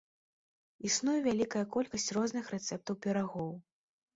Існуе вялікая колькасць розных рэцэптаў пірагоў.